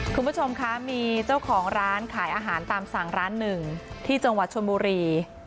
คุณผู้ชมคะมีเจ้าของร้านขายอาหารตามสั่งร้านหนึ่งที่จังหวัดชนบุรี